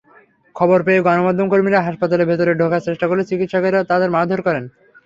খবর পেয়ে গণমাধ্যমকর্মীরা হাসপাতালের ভেতরে ঢোকার চেষ্টা করলে চিকিত্সকেরা তাঁদের মারধর করেন।